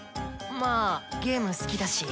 まぁゲーム好きだし。